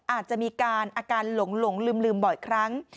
อาจจะมีการอาการหลงลืมบ่อยครั้ง